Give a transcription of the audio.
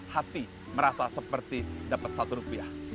hati merasa seperti dapat satu rupiah